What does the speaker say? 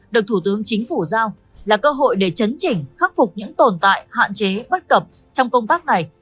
được thủ tướng chính phủ giao là cơ hội để chấn chỉnh khắc phục những tồn tại hạn chế bất cập trong công tác này